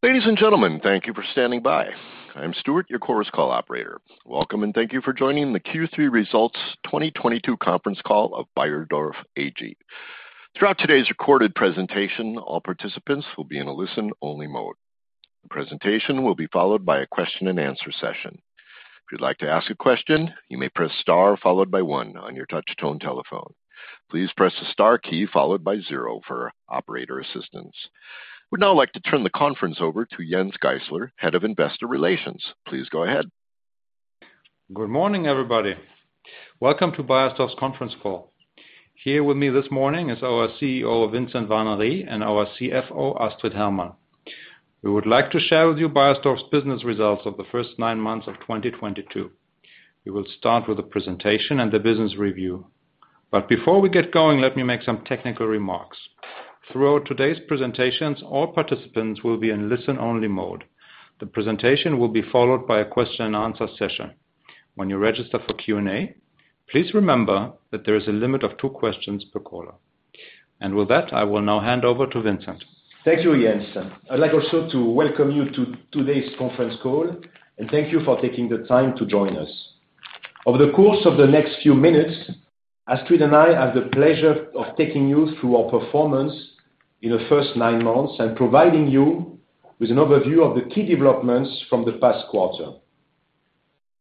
Ladies and gentlemen, thank you for standing by. I'm Stuart, your Chorus Call operator. Welcome, and thank you for joining the Q3 Results 2022 conference call of Beiersdorf AG. Throughout today's recorded presentation, all participants will be in a listen-only mode. The presentation will be followed by a question-and-answer session. If you'd like to ask a question, you may press star followed by one on your touch-tone telephone. Please press the star key followed by zero for operator assistance. We'd now like to turn the conference over to Jens Geißler, Head of Investor Relations. Please go ahead. Good morning, everybody. Welcome to Beiersdorf's conference call. Here with me this morning is our CEO, Vincent Warnery, and our CFO, Astrid Hermann. We would like to share with you Beiersdorf's business results of the first 9 months of 2022. We will start with a presentation and a business review. Before we get going, let me make some technical remarks. Throughout today's presentations, all participants will be in listen-only mode. The presentation will be followed by a question-and-answer session. When you register for Q&A, please remember that there is a limit of two questions per caller. With that, I will now hand over to Vincent. Thank you, Jens. I'd like also to welcome you to today's conference call, and thank you for taking the time to join us. Over the course of the next few minutes, Astrid and I have the pleasure of taking you through our performance in the first nine months and providing you with an overview of the key developments from the past quarter.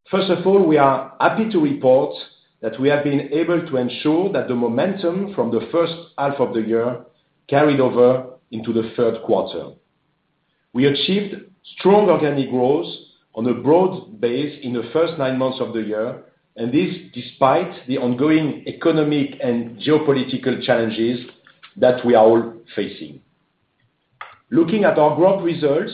First of all, we are happy to report that we have been able to ensure that the momentum from the first half of the year carried over into the third quarter. We achieved strong organic growth on a broad base in the first nine months of the year, and this despite the ongoing economic and geopolitical challenges that we are all facing. Looking at our growth results,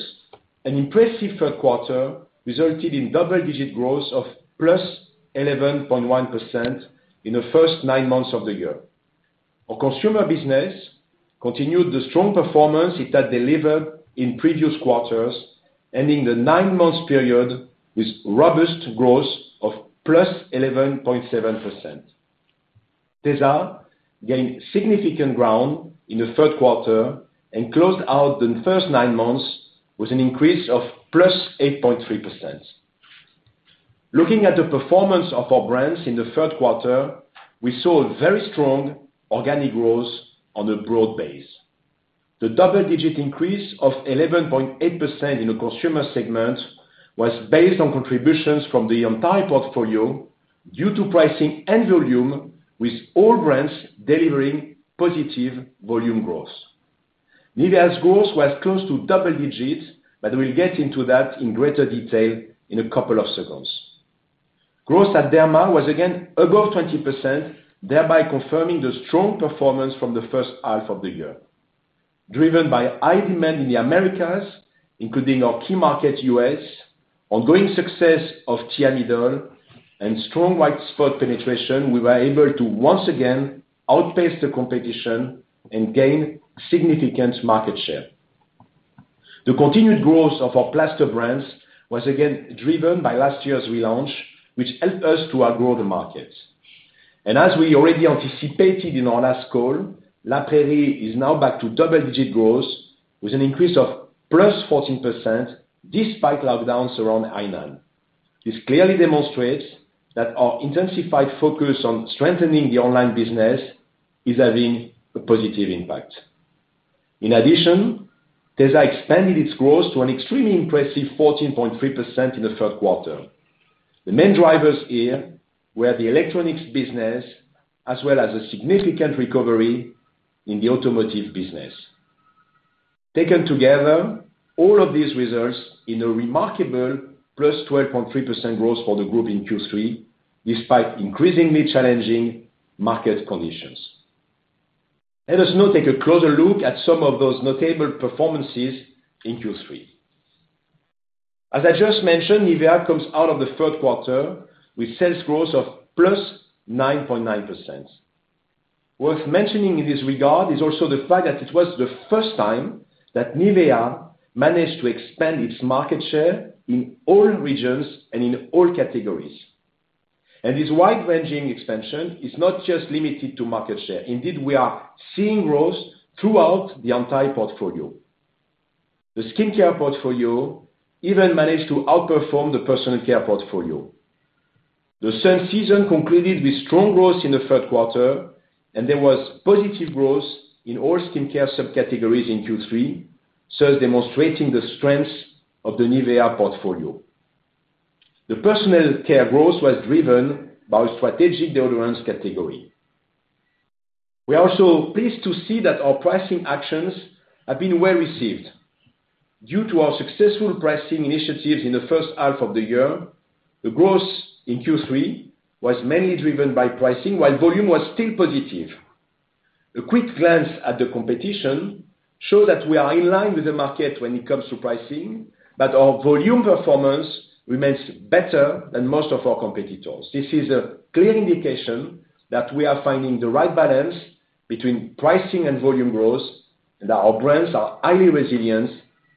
an impressive third quarter resulted in double-digit growth of +11.1% in the first nine months of the year. Our consumer business continued the strong performance it had delivered in previous quarters, ending the nine months period with robust growth of +11.7%. Tesa gained significant ground in the third quarter and closed out the first nine months with an increase of +8.3%. Looking at the performance of our brands in the third quarter, we saw very strong organic growth on a broad base. The double-digit increase of 11.8% in the consumer segment was based on contributions from the entire portfolio due to pricing and volume, with all brands delivering positive volume growth. Nivea's growth was close to double digits, but we'll get into that in greater detail in a couple of seconds. Growth at Derma was again above 20%, thereby confirming the strong performance from the first half of the year. Driven by high demand in the Americas, including our key market, U.S., ongoing success of Thiamidol, and strong white spot penetration, we were able to once again outpace the competition and gain significant market share. The continued growth of our plaster brands was again driven by last year's relaunch, which helped us to outgrow the market. As we already anticipated in our last call, La Prairie is now back to double-digit growth with an increase of +14% despite lockdowns around Hainan. This clearly demonstrates that our intensified focus on strengthening the online business is having a positive impact. In addition, Tesa expanded its growth to an extremely impressive 14.3% in the third quarter. The main drivers here were the electronics business as well as a significant recovery in the automotive business. Taken together, all of these results in a remarkable +12.3% growth for the group in Q3, despite increasingly challenging market conditions. Let us now take a closer look at some of those notable performances in Q3. As I just mentioned, Nivea comes out of the third quarter with sales growth of +9.9%. Worth mentioning in this regard is also the fact that it was the first time that Nivea managed to expand its market share in all regions and in all categories. This wide-ranging expansion is not just limited to market share. Indeed, we are seeing growth throughout the entire portfolio. The skincare portfolio even managed to outperform the personal care portfolio. The sun season completed with strong growth in the third quarter, and there was positive growth in all skincare subcategories in Q3, thus demonstrating the strength of the Nivea portfolio. The personal care growth was driven by our strategic deodorants category. We are also pleased to see that our pricing actions have been well received. Due to our successful pricing initiatives in the first half of the year, the growth in Q3 was mainly driven by pricing while volume was still positive. A quick glance at the competition show that we are in line with the market when it comes to pricing, but our volume performance remains better than most of our competitors. This is a clear indication that we are finding the right balance between pricing and volume growth, and that our brands are highly resilient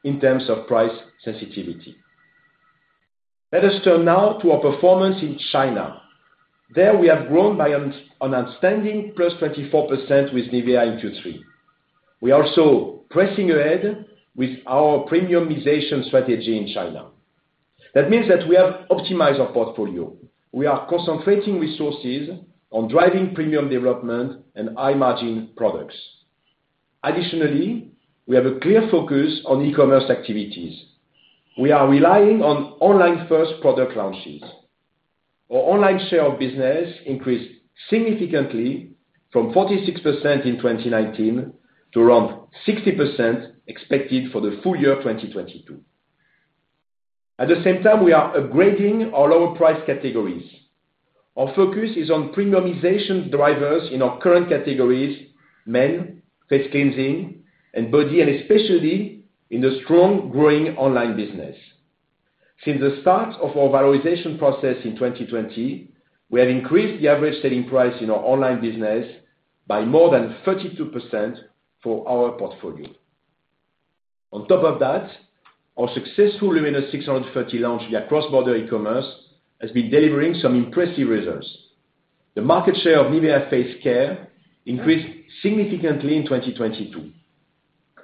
in terms of price sensitivity. Let us turn now to our performance in China. There we have grown by an outstanding +24% with Nivea in Q3. We are also pressing ahead with our premiumization strategy in China. That means that we have optimized our portfolio. We are concentrating resources on driving premium development and high-margin products. Additionally, we have a clear focus on e-commerce activities. We are relying on online first product launches. Our online share of business increased significantly from 46% in 2019 to around 60% expected for the full year 2022. At the same time, we are upgrading our lower price categories. Our focus is on premiumization drivers in our current categories, men, face cleansing, and body, and especially in the strong growing online business. Since the start of our valorization process in 2020, we have increased the average selling price in our online business by more than 32% for our portfolio. On top of that, our successful Luminous 630 launch via cross-border e-commerce has been delivering some impressive results. The market share of Nivea face care increased significantly in 2022.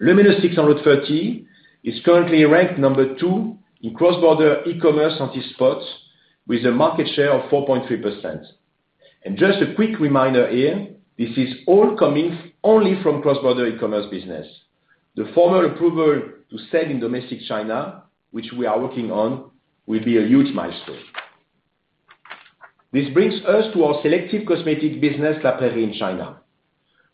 Luminous 630 is currently ranked number two in cross-border e-commerce anti-spots with a market share of 4.3%. Just a quick reminder here, this is all coming only from cross-border e-commerce business. The formal approval to sell in domestic China, which we are working on, will be a huge milestone. This brings us to our selective cosmetic business, La Prairie in China.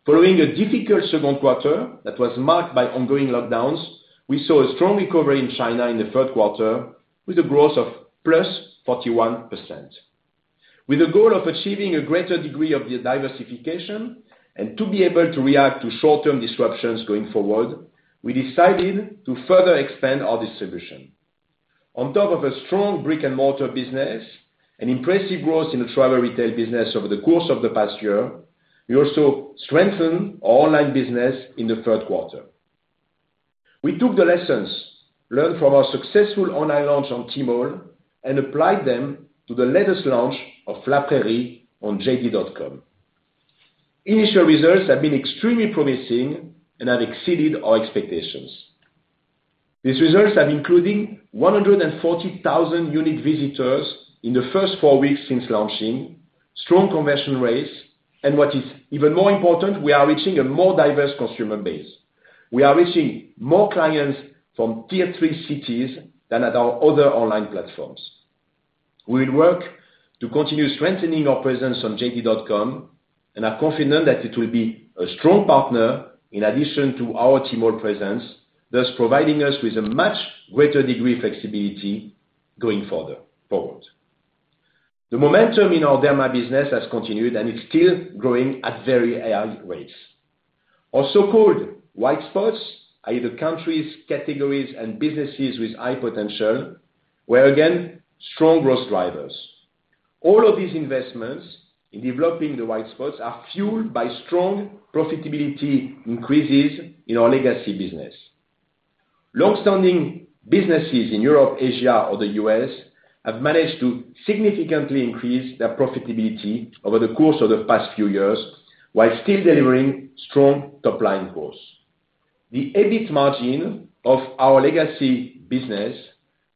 Following a difficult second quarter that was marked by ongoing lockdowns, we saw a strong recovery in China in the third quarter with a growth of +41%. With a goal of achieving a greater degree of the diversification and to be able to react to short-term disruptions going forward, we decided to further expand our distribution. On top of a strong brick-and-mortar business, an impressive growth in the travel retail business over the course of the past year, we also strengthened our online business in the third quarter. We took the lessons learned from our successful online launch on Tmall and applied them to the latest launch of La Prairie on JD.com. Initial results have been extremely promising and have exceeded our expectations. These results are including 140,000 unique visitors in the first four weeks since launching, strong conversion rates, and what is even more important, we are reaching a more diverse consumer base. We are reaching more clients from tier-three cities than at our other online platforms. We will work to continue strengthening our presence on JD.com and are confident that it will be a strong partner in addition to our Tmall presence, thus providing us with a much greater degree of flexibility going further forward. The momentum in our Derma business has continued, and it's still growing at very high rates. Our so-called white spots, either countries, categories, and businesses with high potential, were again, strong growth drivers. All of these investments in developing the white spots are fueled by strong profitability increases in our legacy business. Long-standing businesses in Europe, Asia, or the U.S. have managed to significantly increase their profitability over the course of the past few years, while still delivering strong top-line growth. The EBIT margin of our legacy business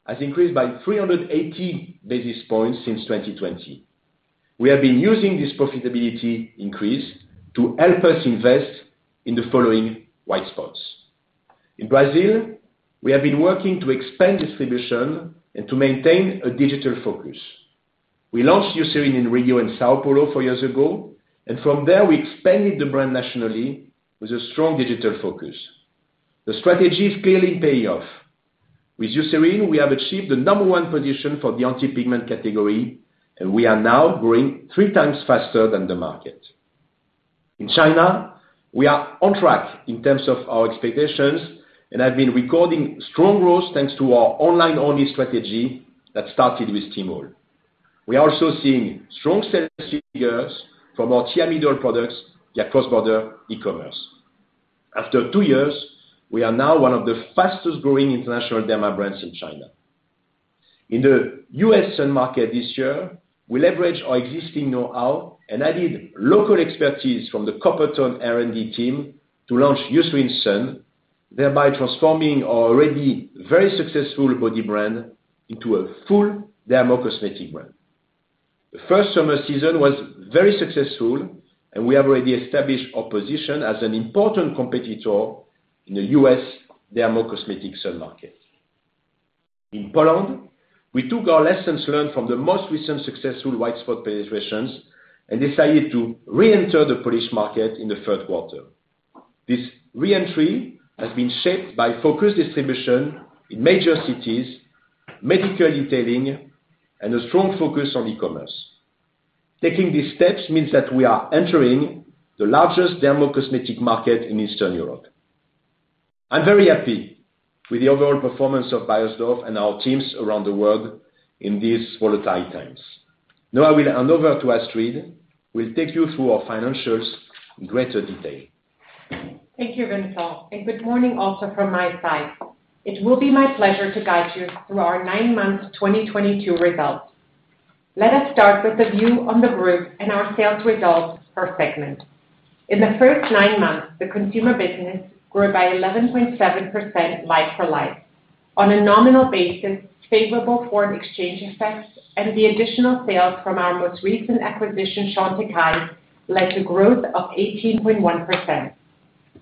has increased by 380 basis points since 2020. We have been using this profitability increase to help us invest in the following white spots. In Brazil, we have been working to expand distribution and to maintain a digital focus. We launched Eucerin in Rio and São Paulo four years ago, and from there, we expanded the brand nationally with a strong digital focus. The strategy is clearly paying off. With Eucerin, we have achieved the number one position for the anti-pigment category, and we are now growing three times faster than the market. In China, we are on track in terms of our expectations and have been recording strong growth thanks to our online-only strategy that started with Tmall. We are also seeing strong sales figures from our Thiamidol products via cross-border e-commerce. After two years, we are now one of the fastest-growing international derma brands in China. In the U.S. sun market this year, we leveraged our existing know-how and added local expertise from the Coppertone R&D team to launch Eucerin Sun, thereby transforming our already very successful body brand into a full dermocosmetic brand. The first summer season was very successful, and we have already established our position as an important competitor in the U.S. dermocosmetic sun market. In Poland, we took our lessons learned from the most recent successful white spot penetrations and decided to re-enter the Polish market in the third quarter. This re-entry has been shaped by focused distribution in major cities, medical detailing, and a strong focus on e-commerce. Taking these steps means that we are entering the largest dermocosmetic market in Eastern Europe. I'm very happy with the overall performance of Beiersdorf and our teams around the world in these volatile times. Now I will hand over to Astrid, who will take you through our financials in greater detail. Thank you, Vincent, and good morning also from my side. It will be my pleasure to guide you through our nine-month 2022 results. Let us start with a view on the group and our sales results per segment. In the first nine months, the consumer business grew by 11.7% like-for-like. On a nominal basis, favorable foreign exchange effects and the additional sales from our most recent acquisition, Chantecaille, led to growth of 18.1%.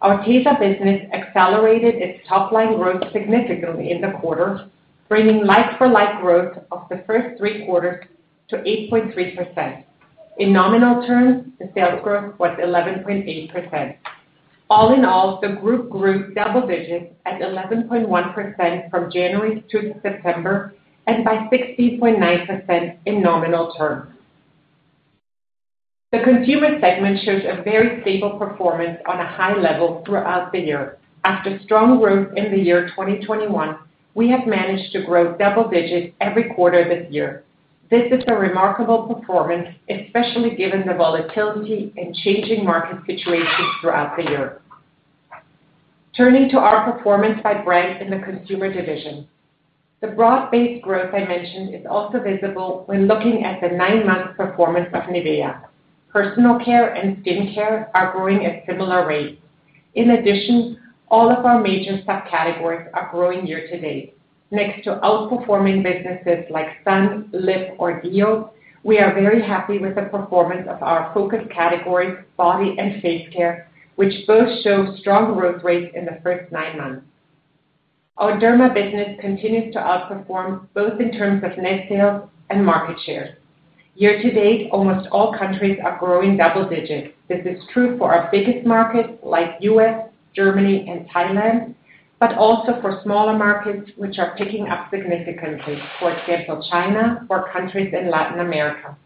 Our Tesa business accelerated its top-line growth significantly in the quarter, bringing like-for-like growth of the first three quarters to 8.3%. In nominal terms, the sales growth was 11.8%. All in all, the group grew double digits at 11.1% from January through September and by 60.9% in nominal terms. The consumer segment shows a very stable performance on a high level throughout the year. After strong growth in the year 2021, we have managed to grow double digits every quarter this year. This is a remarkable performance, especially given the volatility and changing market situations throughout the year. Turning to our performance by brand in the consumer division. The broad-based growth I mentioned is also visible when looking at the nine-month performance of Nivea. Personal care and skin care are growing at similar rates. In addition, all of our major subcategories are growing year to date. Next to outperforming businesses like Sun, Lip, or Deo, we are very happy with the performance of our focus categories, body and face care, which both show strong growth rates in the first nine months. Our Derma business continues to outperform both in terms of net sales and market share. Year to date, almost all countries are growing double digits. This is true for our biggest markets like U.S., Germany, and Thailand, but also for smaller markets which are picking up significantly, for example, China or countries in Latin America.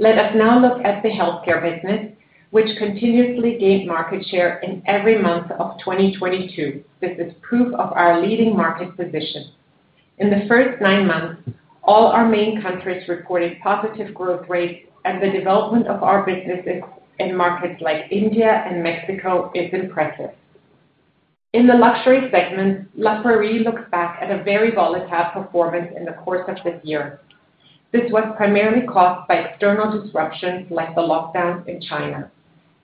Let us now look at the healthcare business, which continuously gained market share in every month of 2022. This is proof of our leading market position. In the first nine months, all our main countries reported positive growth rates, and the development of our businesses in markets like India and Mexico is impressive. In the luxury segment, La Prairie looks back at a very volatile performance in the course of this year. This was primarily caused by external disruptions like the lockdowns in China.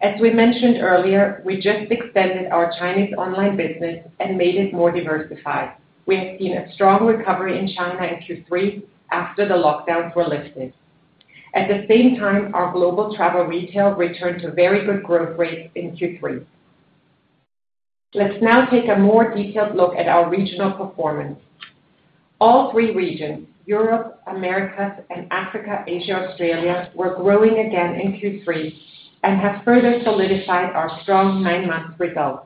As we mentioned earlier, we just extended our Chinese online business and made it more diversified. We have seen a strong recovery in China in Q3 after the lockdowns were lifted. At the same time, our global travel retail returned to very good growth rates in Q3. Let's now take a more detailed look at our regional performance. All three regions, Europe, Americas, and Africa, Asia, Australia, were growing again in Q3 and have further solidified our strong nine-month results.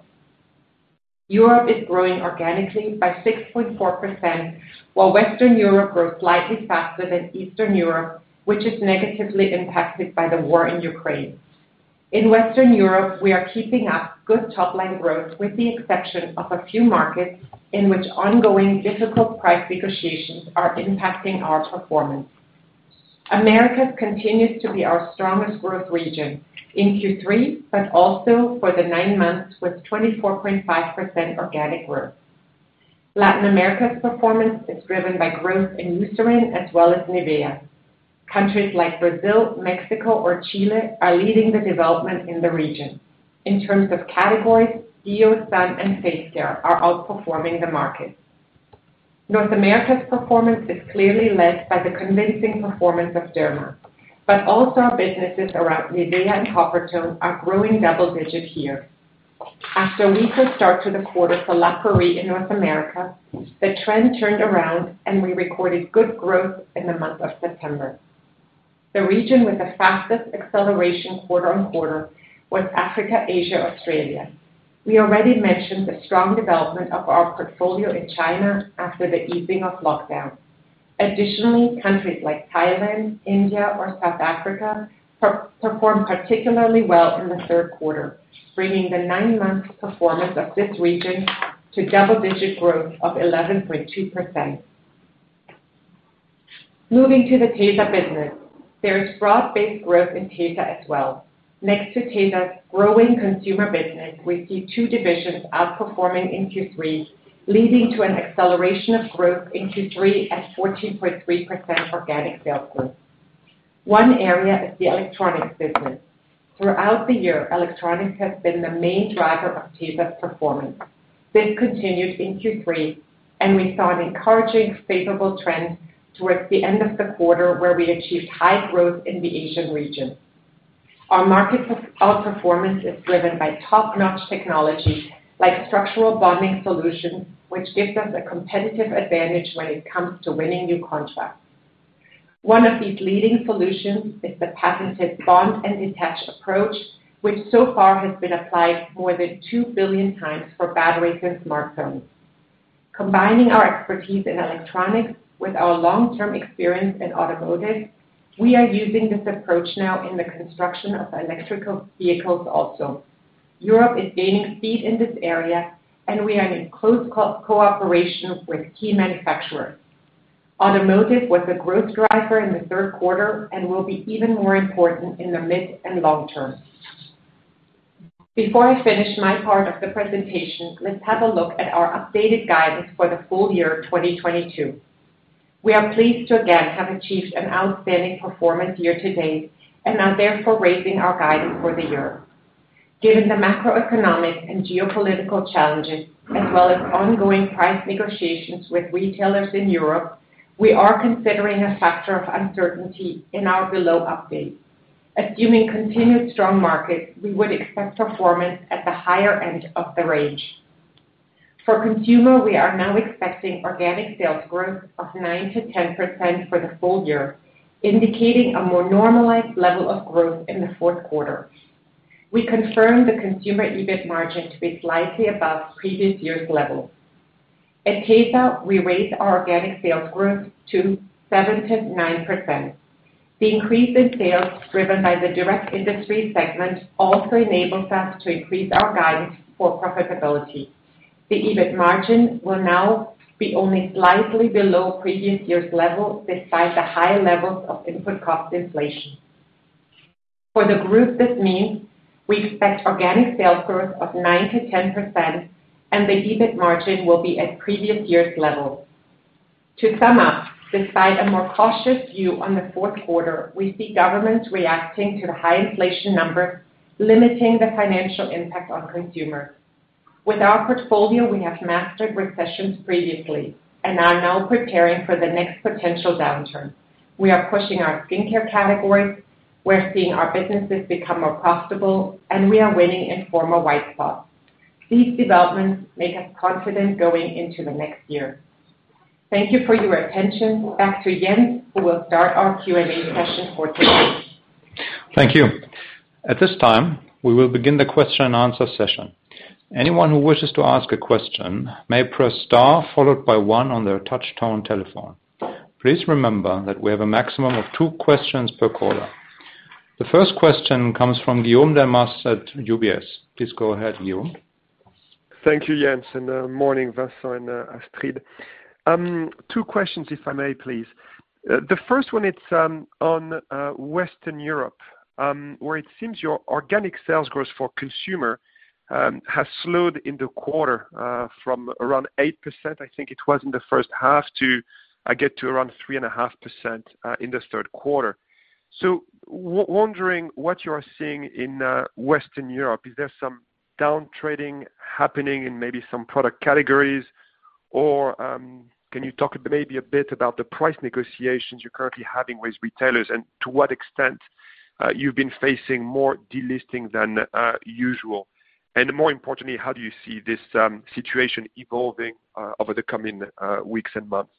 Europe is growing organically by 6.4%, while Western Europe grows slightly faster than Eastern Europe, which is negatively impacted by the war in Ukraine. In Western Europe, we are keeping up good top-line growth with the exception of a few markets in which ongoing difficult price negotiations are impacting our performance. Americas continues to be our strongest growth region in Q3, but also for the nine months with 24.5% organic growth. Latin America's performance is driven by growth in Eucerin as well as Nivea. Countries like Brazil, Mexico, or Chile are leading the development in the region. In terms of categories, DEO, Sun, and Face Care are outperforming the market. North America's performance is clearly led by the convincing performance of Derma, but also our businesses around Nivea and Coppertone are growing double-digit here. After a weaker start to the quarter for La Prairie in North America, the trend turned around, and we recorded good growth in the month of September. The region with the fastest acceleration quarter-on-quarter was Africa, Asia, Australia. We already mentioned the strong development of our portfolio in China after the easing of lockdown. Additionally, countries like Thailand, India, or South Africa performed particularly well in the third quarter, bringing the nine-month performance of this region to double-digit growth of 11.2%. Moving to the Tesa business. There is broad-based growth in Tesa as well. Next to Tesa's growing consumer business, we see two divisions outperforming in Q3, leading to an acceleration of growth in Q3 at 14.3% organic sales growth. One area is the electronics business. Throughout the year, electronics has been the main driver of Tesa's performance. This continued in Q3, and we saw an encouraging favorable trend towards the end of the quarter where we achieved high growth in the Asian region. Our market outperformance is driven by top-notch technology like structural bonding solutions, which gives us a competitive advantage when it comes to winning new contracts. One of these leading solutions is the patented Bond & Detach approach, which so far has been applied more than 2 billion times for batteries in smartphones. Combining our expertise in electronics with our long-term experience in automotive, we are using this approach now in the construction of electric vehicles also. Europe is gaining speed in this area, and we are in close cooperation with key manufacturers. Automotive was a growth driver in the third quarter and will be even more important in the mid and long term. Before I finish my part of the presentation, let's have a look at our updated guidance for the full year 2022. We are pleased to again have achieved an outstanding performance year to date and are therefore raising our guidance for the year. Given the macroeconomic and geopolitical challenges, as well as ongoing price negotiations with retailers in Europe, we are considering a factor of uncertainty in our update below. Assuming continued strong markets, we would expect performance at the higher end of the range. For consumer, we are now expecting organic sales growth of 9%-10% for the full year, indicating a more normalized level of growth in the fourth quarter. We confirm the consumer EBIT margin to be slightly above previous year's level. At Beiersdorf, we raise our organic sales growth to 7%-9%. The increase in sales driven by the direct industry segment also enables us to increase our guidance for profitability. The EBIT margin will now be only slightly below previous year's level despite the high levels of input cost inflation. For the group, this means we expect organic sales growth of 9%-10%, and the EBIT margin will be at previous year's level. To sum up, despite a more cautious view on the fourth quarter, we see governments reacting to the high inflation numbers, limiting the financial impact on consumers. With our portfolio, we have mastered recessions previously and are now preparing for the next potential downturn. We are pushing our skincare categories, we're seeing our businesses become more profitable, and we are winning in former white spots. These developments make us confident going into the next year. Thank you for your attention. Back to Jens, who will start our Q&A session for today. Thank you. At this time, we will begin the question and answer session. Anyone who wishes to ask a question may press star followed by one on their touchtone telephone. Please remember that we have a maximum of two questions per caller. The first question comes from Guillaume Delmas at UBS. Please go ahead, Guillaume. Thank you, Jens, and morning, Vincent and Astrid. Two questions if I may, please. The first one it's on Western Europe, where it seems your organic sales growth for consumer has slowed in the quarter from around 8% I think it was in the first half to I get to around 3.5% in the third quarter. Wondering what you are seeing in Western Europe. Is there some downtrading happening in maybe some product categories? Or can you talk maybe a bit about the price negotiations you're currently having with retailers and to what extent you've been facing more delisting than usual? More importantly, how do you see this situation evolving over the coming weeks and months?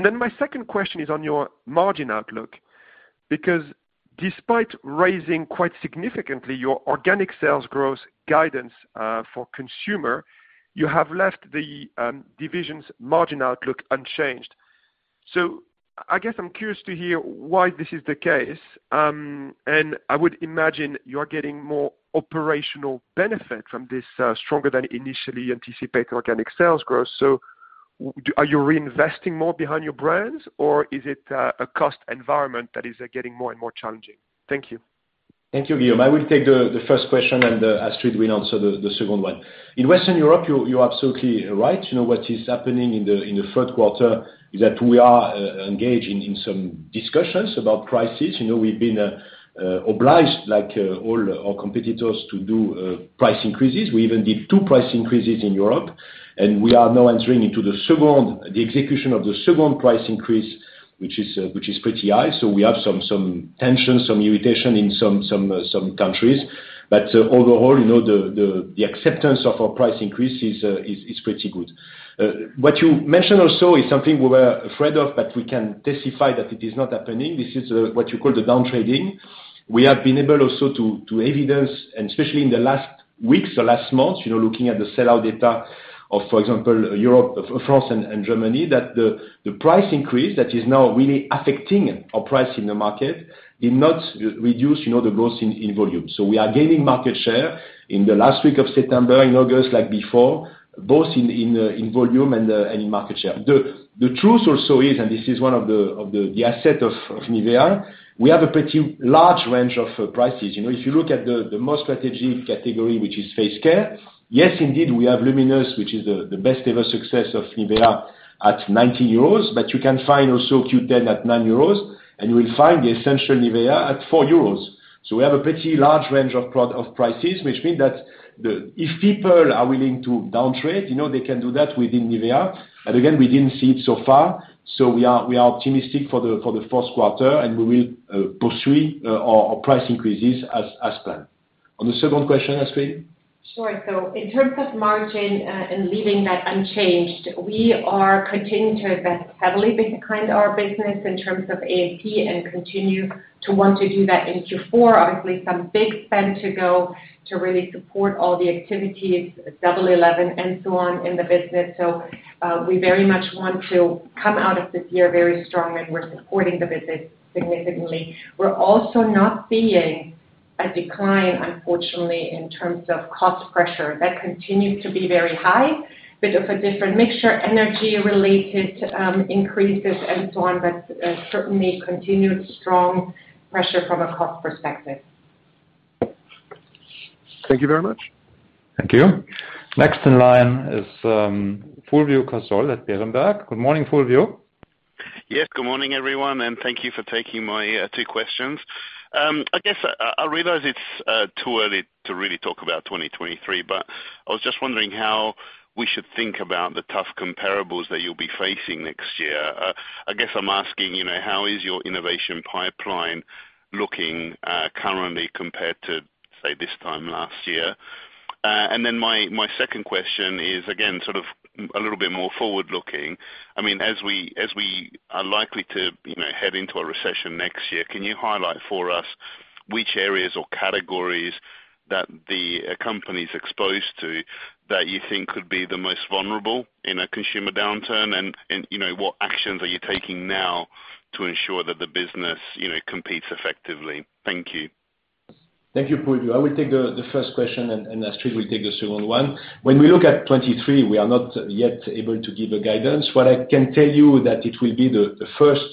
My second question is on your margin outlook, because despite raising quite significantly your organic sales growth guidance for Consumer, you have left the division's margin outlook unchanged. I guess I'm curious to hear why this is the case. I would imagine you are getting more operational benefit from this stronger than initially anticipated organic sales growth. Are you reinvesting more behind your brands or is it a cost environment that is getting more and more challenging? Thank you. Thank you, Guillaume. I will take the first question and Astrid will answer the second one. In Western Europe, you're absolutely right. You know, what is happening in the third quarter is that we are engaged in some discussions about prices. You know, we've been obliged like all our competitors to do price increases. We even did two price increases in Europe, and we are now entering into the execution of the second price increase, which is pretty high. We have some tension, some irritation in some countries. Overall, you know, the acceptance of our price increase is pretty good. What you mentioned also is something we were afraid of, but we can testify that it is not happening. This is what you call the downtrading. We have been able also to evidence, and especially in the last weeks or last months, you know, looking at the sellout data of, for example, Europe, France and Germany, that the price increase that is now really affecting our price in the market did not reduce, you know, the growth in volume. We are gaining market share in the last week of September, in August like before, both in volume and in market share. The truth also is, and this is one of the asset of Nivea, we have a pretty large range of prices. You know, if you look at the most strategic category, which is face care, yes, indeed, we have Luminous, which is the best ever success of Nivea at 90 euros, but you can find also Q10 at 9 euros, and you will find the essential Nivea at 4 euros. We have a pretty large range of prices, which means that if people are willing to downtrade, you know, they can do that within Nivea. Again, we didn't see it so far, so we are optimistic for the fourth quarter and we will pursue our price increases as planned. On the second question, Astrid? Sure. In terms of margin and leaving that unchanged, we are continuing to invest heavily behind our business in terms of A&P and continue to want to do that in Q4. Obviously, some big spend to go to really support all the activities, Double Eleven and so on in the business. We very much want to come out of this year very strong, and we're supporting the business significantly. We're also not seeing a decline, unfortunately, in terms of cost pressure that continues to be very high, but of a different mixture, energy related increases and so on. Certainly continued strong pressure from a cost perspective. Thank you very much. Thank you. Next in line is Fulvio Cozzolino at Berenberg. Good morning, Fulvio. Yes, good morning, everyone, and thank you for taking my two questions. I guess I realize it's too early to really talk about 2023, but I was just wondering how we should think about the tough comparables that you'll be facing next year. I guess I'm asking, you know, how is your innovation pipeline looking currently compared to, say, this time last year? And then my second question is, again, sort of a little bit more forward-looking. I mean, as we are likely to, you know, head into a recession next year, can you highlight for us which areas or categories that the company's exposed to that you think could be the most vulnerable in a consumer downturn? You know, what actions are you taking now to ensure that the business, you know, competes effectively? Thank you. Thank you, Fulvio. I will take the first question and Astrid will take the second one. When we look at 2023, we are not yet able to give a guidance. What I can tell you that it will be the first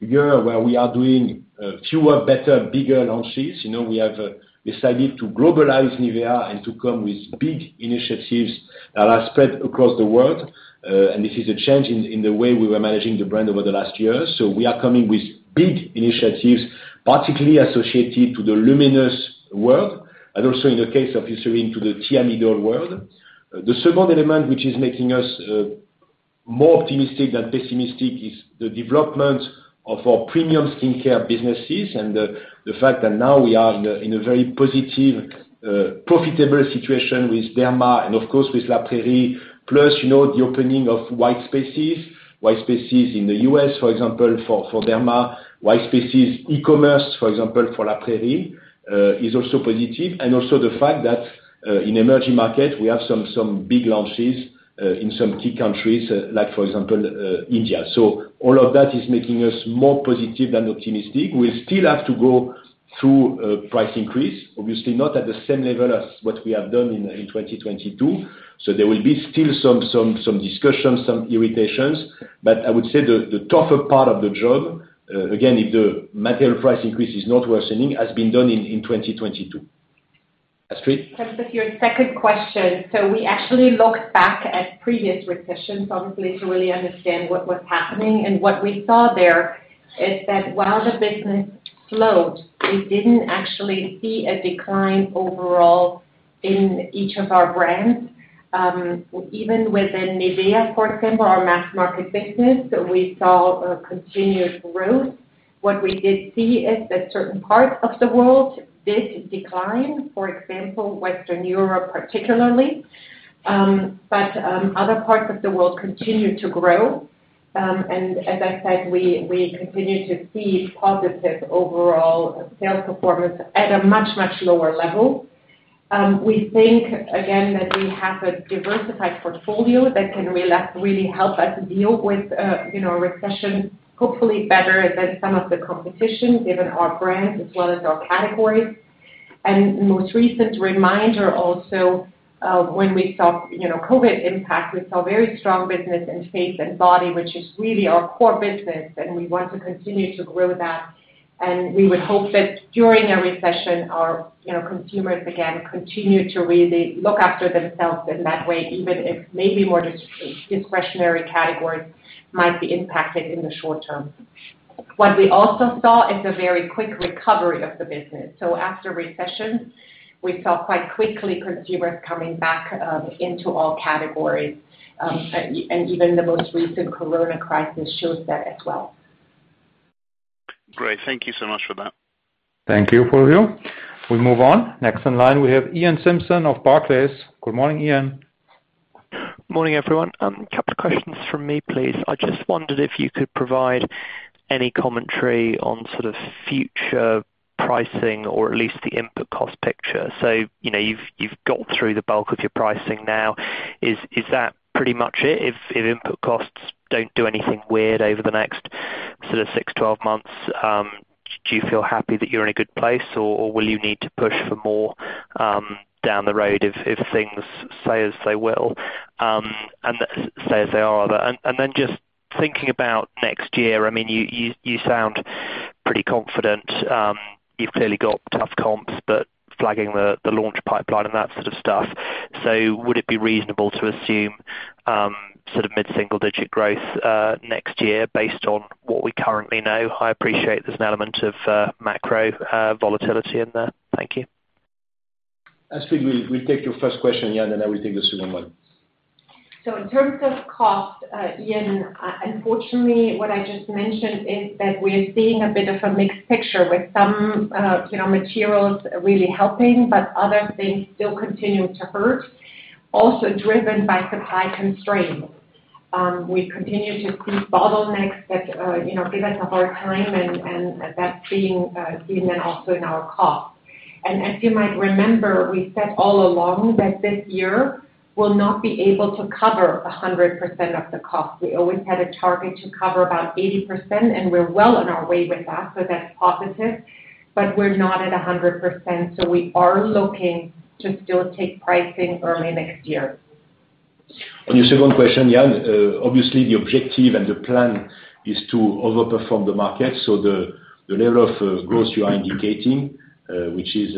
year where we are doing fewer, better, bigger launches. You know, we have decided to globalize Nivea and to come with big initiatives that are spread across the world. And this is a change in the way we were managing the brand over the last year. We are coming with big initiatives, particularly associated to the Luminous world, and also in the case of Eucerin, to the Thiamidol world. The second element which is making us more optimistic than pessimistic is the development of our premium skincare businesses and the fact that now we are in a very positive profitable situation with Derma and of course with La Prairie. Plus, you know, the opening of white spots. white spots in the U.S., for example, for Derma, white spots e-commerce, for example, for La Prairie, is also positive. also the fact that in emerging market we have some big launches in some key countries, like, for example, India. all of that is making us more positive than optimistic. We still have to go through a price increase, obviously not at the same level as what we have done in 2022. There will be still some discussions, some irritations. I would say the tougher part of the job, again, if the material price increase is not worsening, has been done in 2022. Astrid? Just with your second question, so we actually looked back at previous recessions, obviously to really understand what was happening. What we saw there is that while the business slowed, we didn't actually see a decline overall in each of our brands. Even within Nivea, for example, our mass market business, we saw a continued growth. What we did see is that certain parts of the world did decline, for example, Western Europe particularly. Other parts of the world continued to grow. As I said, we continued to see positive overall sales performance at a much, much lower level. We think again that we have a diversified portfolio that can really help us deal with, you know, a recession, hopefully better than some of the competition, given our brands as well as our categories. Most recent reminder also of when we saw, you know, COVID impact, we saw very strong business in face and body, which is really our core business and we want to continue to grow that. We would hope that during a recession our, you know, consumers again continue to really look after themselves in that way, even if maybe more discretionary categories might be impacted in the short term. What we also saw is a very quick recovery of the business. After recession, we saw quite quickly consumers coming back into all categories. And even the most recent corona crisis shows that as well. Great. Thank you so much for that. Thank you, Fulvio. We move on. Next in line, we have Iain Simpson of Barclays. Good morning, Ian. Morning, everyone. A couple of questions from me, please. I just wondered if you could provide any commentary on sort of future pricing or at least the input cost picture. You know, you've gotten through the bulk of your pricing now. Is that pretty much it? If input costs don't do anything weird over the next sort of six, 12 months, do you feel happy that you're in a good place or will you need to push for more down the road if things stay as they are, rather? Then just thinking about next year, I mean, you sound pretty confident. You've clearly got tough comps, but flagging the launch pipeline and that sort of stuff. Would it be reasonable to assume, sort of mid-single digit growth, next year based on what we currently know? I appreciate there's an element of, macro, volatility in there. Thank you. Astrid, we'll take your first question, Ian, and I will take the second one. In terms of cost, Ian, unfortunately what I just mentioned is that we're seeing a bit of a mixed picture with some, you know, materials really helping, but other things still continue to hurt, also driven by supply constraints. We continue to see bottlenecks that, you know, give us a hard time and that's being seen then also in our costs. As you might remember, we said all along that this year will not be able to cover 100% of the costs. We always had a target to cover about 80%, and we're well on our way with that, so that's positive. We're not at a 100%, so we are looking to still take pricing early next year. On your second question, Iain, obviously the objective and the plan is to overperform the market. The level of growth you are indicating, which is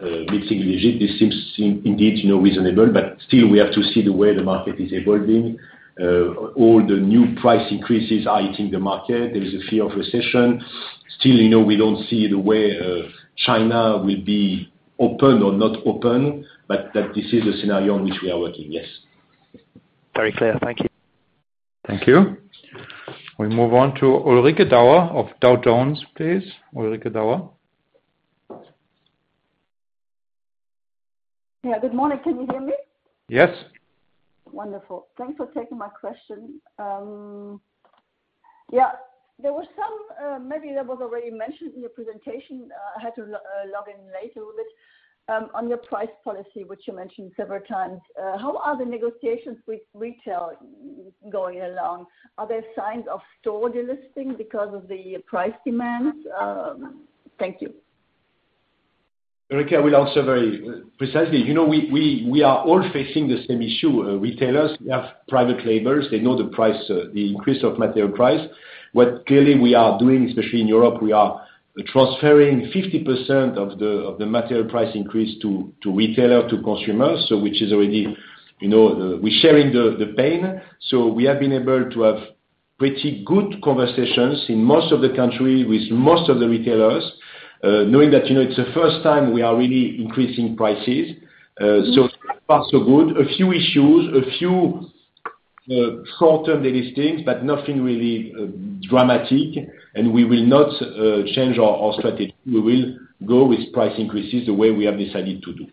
mid-single digit, this seems indeed, you know, reasonable, but still we have to see the way the market is evolving. All the new price increases are hitting the market. There is a fear of recession. Still, you know, we don't see the way China will be open or not open, but that this is a scenario in which we are working. Yes. Very clear. Thank you. Thank you. We move on to Ulrike Dauer of Dow Jones, please. Ulrike Dauer? Yeah, good morning. Can you hear me? Yes. Wonderful. Thanks for taking my question. Yeah. There were some, maybe that was already mentioned in your presentation. I had to log in late a little bit. On your price policy, which you mentioned several times, how are the negotiations with retail going along? Are there signs of store delisting because of the price demands? Thank you. Ulrike, I will answer very precisely. You know, we are all facing the same issue. Retailers, we have private labels. They know the price increase of material price. What clearly we are doing, especially in Europe, we are transferring 50% of the material price increase to retailer, to consumers, so which is already, you know, we're sharing the pain. We have been able to have pretty good conversations in most of the countries with most of the retailers, knowing that, you know, it's the first time we are really increasing prices. So far so good. A few issues, a few short-term delistings, but nothing really dramatic. We will not change our strategy. We will go with price increases the way we have decided to do.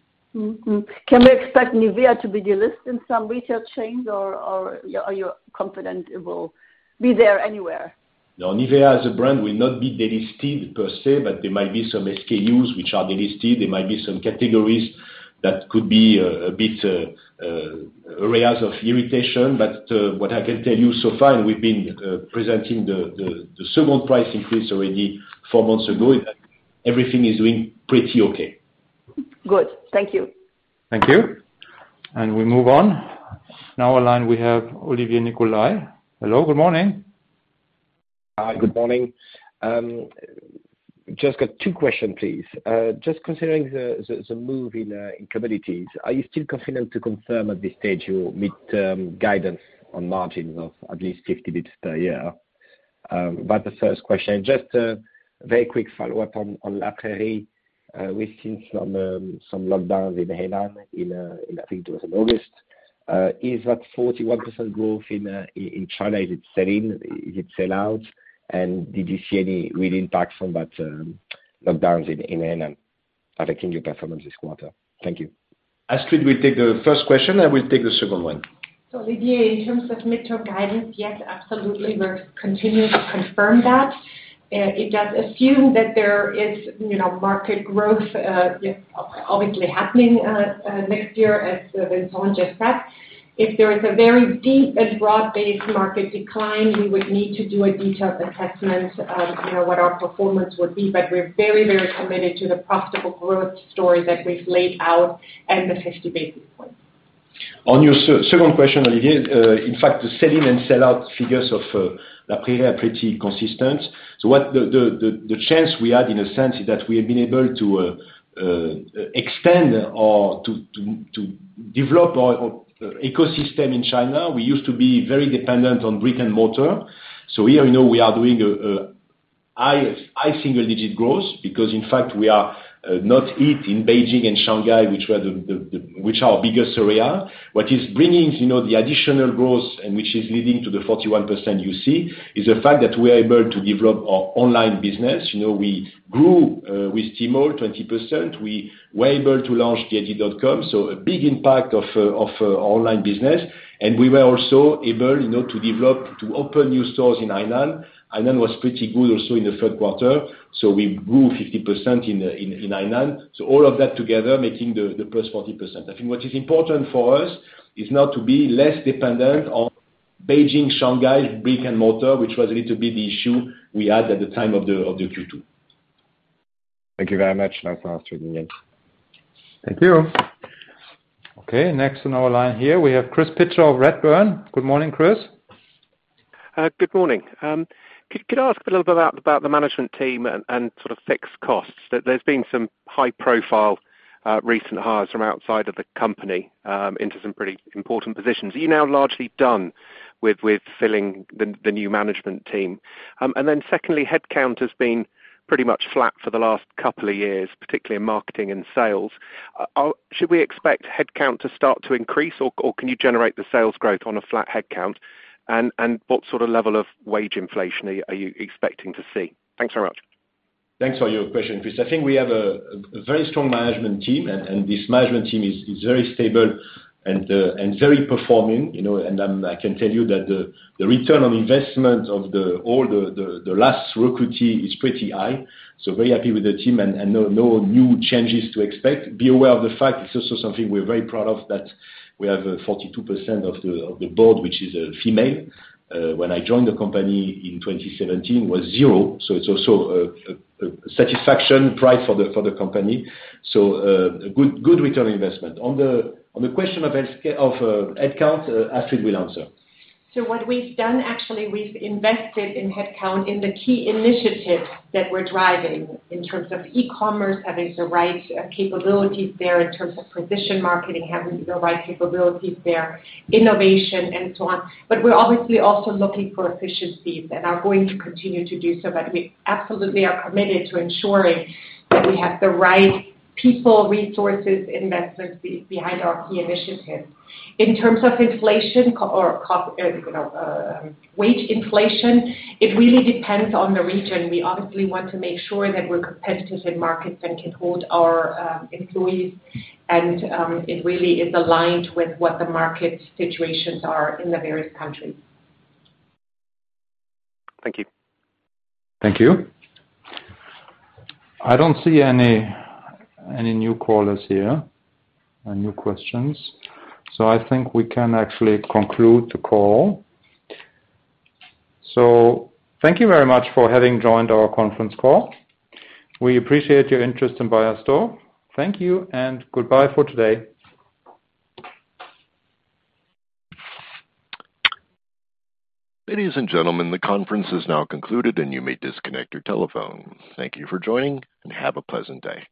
Can we expect Nivea to be delisted in some retail chains or are you confident it will be there anywhere? No. Nivea as a brand will not be delisted per se, but there might be some SKUs which are delisted. There might be some categories that could be a bit areas of irritation. What I can tell you so far, and we've been presenting the second price increase already four months ago, is that everything is doing pretty okay. Good. Thank you. Thank you. We move on. Now online we have Olivier Nicolai. Hello, good morning. Hi, good morning. Just got two question, please. Just considering the move in commodities, are you still confident to confirm at this stage your mid-term guidance on margins of at least 50 basis points per year? That's the first question. Just a very quick follow-up on La Prairie. We've seen some lockdowns in Hainan in, I think it was in August. Is that 41% growth in China, is it sell-in? Is it sell-out? And did you see any real impact from that lockdowns in Hainan affecting your performance this quarter? Thank you. Astrid will take the first question. I will take the second one. Olivier, in terms of mid-term guidance, yes, absolutely we're continuing to confirm that. It does assume that there is, you know, market growth, obviously happening next year as Vincent just said. If there is a very deep and broad-based market decline, we would need to do a detailed assessment on, you know, what our performance would be. We're very, very committed to the profitable growth story that we've laid out and the 50 basis points. On your second question, Olivier, in fact, the sell in and sellout figures of La Prairie are pretty consistent. What the chance we had in a sense is that we have been able to extend or to develop our ecosystem in China. We used to be very dependent on brick and mortar. Here, you know, we are doing a high single digit growth because in fact we are not hit in Beijing and Shanghai, which are our biggest area. What is bringing, you know, the additional growth and which is leading to the 41% you see, is the fact that we are able to develop our online business. You know, we grew with Tmall 20%. We were able to launch the JD.com. A big impact of online business. We were also able, you know, to develop, to open new stores in Hainan. Hainan was pretty good also in the third quarter, so we grew 50% in Hainan. All of that together making the plus 40%. I think what is important for us is now to be less dependent on Beijing, Shanghai, brick and mortar, which was a little bit the issue we had at the time of the Q2. Thank you very much. Thank you. Okay, next on our line here we have Chris Pitcher of Redburn. Good morning, Chris. Good morning. Could I ask a little bit about the management team and sort of fixed costs? There's been some high-profile recent hires from outside of the company into some pretty important positions. Are you now largely done with filling the new management team? Secondly, headcount has been pretty much flat for the last couple of years, particularly in marketing and sales. Should we expect headcount to start to increase or can you generate the sales growth on a flat headcount? What sort of level of wage inflation are you expecting to see? Thanks very much. Thanks for your question, Chris. I think we have a very strong management team and this management team is very stable and very performing, you know. I can tell you that the return on investment of all the last recruit is pretty high. Very happy with the team and no new changes to expect. Be aware of the fact, it's also something we're very proud of, that we have 42% of the board which is female. When I joined the company in 2017 was zero, so it's also a satisfaction pride for the company. A good return on investment. On the question of headcount, Astrid will answer. What we've done actually, we've invested in headcount in the key initiatives that we're driving in terms of e-commerce, having the right capabilities there in terms of precision marketing, having the right capabilities there, innovation and so on. We're obviously also looking for efficiencies and are going to continue to do so. We absolutely are committed to ensuring that we have the right people, resources, investments behind our key initiatives. In terms of inflation or, you know, wage inflation, it really depends on the region. We obviously want to make sure that we're competitive in markets and can hold our employees and, it really is aligned with what the market situations are in the various countries. Thank you. Thank you. I don't see any new callers here or new questions, so I think we can actually conclude the call. Thank you very much for having joined our conference call. We appreciate your interest in Beiersdorf. Thank you and goodbye for today. Ladies and gentlemen, the conference is now concluded, and you may disconnect your telephone. Thank you for joining, and have a pleasant day.